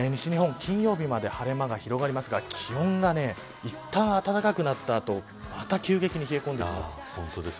金曜日まで晴れ間が広がりますが気温がいったん暖かくなったあとまた急激に冷え込んでいます。